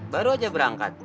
baru aja berangkat